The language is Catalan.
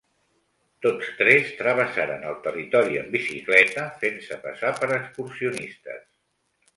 Tots tres travessaren el territori en bicicleta fent-se passar per excursionistes.